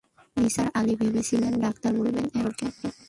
নিসার আলি ভেবেছিলেন ডাক্তার বলবেন, এক বৎসর কেন?